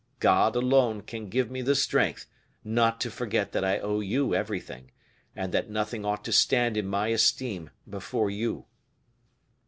God alone can give me the strength not to forget that I owe you everything, and that nothing ought to stand in my esteem before you."